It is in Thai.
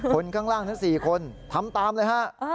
คนข้างล่างทั้ง๔คนทำตามเลยฮะ